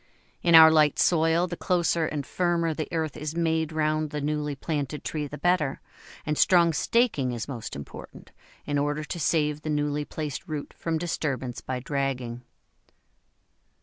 In our light soil, the closer and firmer the earth is made round the newly planted tree the better, and strong staking is most important, in order to save the newly placed root from disturbance by dragging.